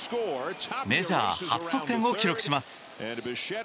メジャー初得点を記録します。